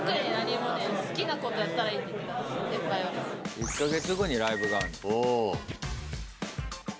１か月後にライブがある。